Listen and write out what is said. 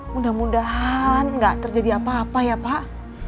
mudah mudahan nggak terjadi apa apa ya pak